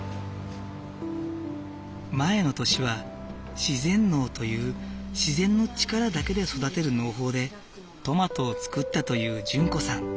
前の年は自然農という自然の力だけで育てる農法でトマトを作ったという淳子さん。